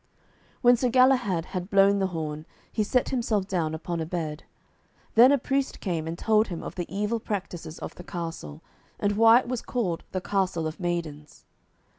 When Sir Galahad had blown the horn he set himself down upon a bed. Then a priest came and told him of the evil practices of the castle, and why it was called the Castle of Maidens.